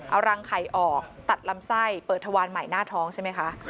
เอารังไข่ออกตัดลำไส้เปิดทวารใหม่หน้าท้องใช่ไหมคะ